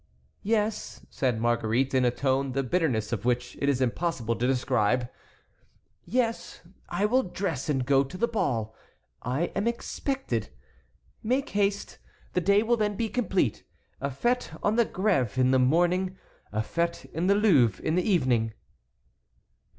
"Yes," said Marguerite, in a tone the bitterness of which it is impossible to describe; yes, I will dress and go to the ball; I am expected. Make haste; the day will then be complete. A fête on the Grève in the morning, a fête in the Louvre in the evening."